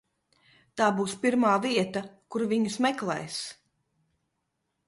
Tā būs pirmā vieta, kur viņus meklēs.